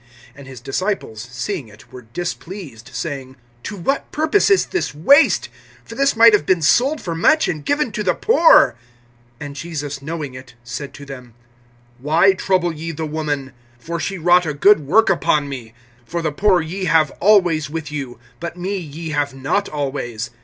(8)And his disciples seeing it were displeased, saying: To what purpose is this waste? (9)For this might have been sold for much, and given to the poor. (10)And Jesus knowing it, said to them: Why trouble ye the woman? For she wrought a good work upon me. (11)For the poor ye have always with you; but me ye have not always.